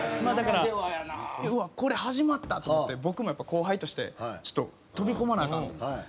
だからうわこれ始まったと思って僕もやっぱ後輩として飛び込まなあかん。